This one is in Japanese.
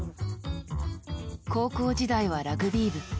高校時代はラグビー部。